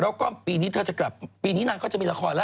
แล้วก็ปีนี้เธอจะกลับปีนี้นางก็จะมีละครแล้ว